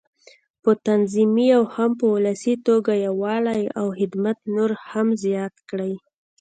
په تنظيمي او هم په ولسي توګه یووالی او خدمت نور هم زیات کړي.